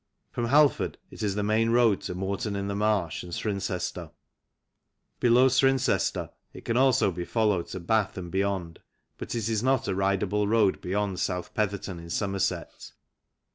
From Halford it is the main road to Moreton in the Marsh and Cirencester. Below Cirencester it can also be followed to Bath and beyond, but is not a rideable road beyond South Petherton, in Somerset.